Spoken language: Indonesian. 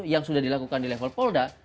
yang sudah dilakukan di level polda